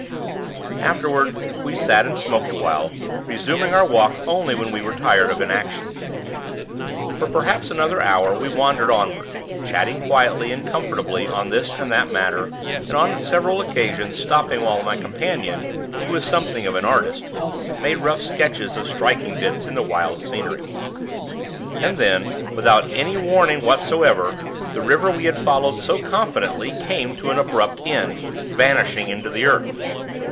Afterward we sat and smoked awhile, resuming our walk only when we were tired of inaction. For perhaps another hour we wandered onward, chatting quietly and comfortably on this and that matter, and on several occasions stopping while my companion who is something of an artist made rough sketches of striking bits of the wild scenery. And then, without any warning whatsoever, the river we had followed so confidently, came to an abrupt end vanishing into the earth.